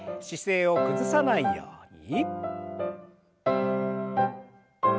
姿勢を崩さないように。